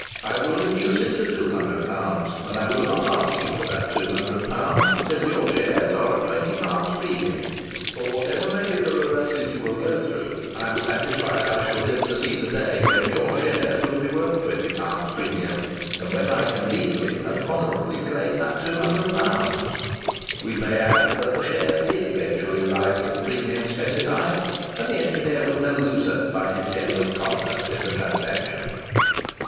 I will reduce it to £200, and I will not ask you for that £200 until your shares are at £20 premium: for whatever may be the reverses you will go through, I am satisfied I shall live to see the day when your shares will be at £20 premium, and when I can legally and honourably claim that £200." We may add that the shares did eventually rise to the premium specified, and the engineer was no loser by his generous conduct in the transaction.